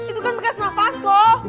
itu kan bekas nafas loh